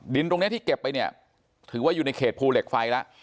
ตรงนี้ที่เก็บไปเนี่ยถือว่าอยู่ในเขตภูเหล็กไฟแล้ว